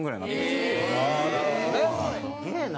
すげぇな。